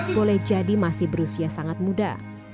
boleh jadi masih berusia sangat muda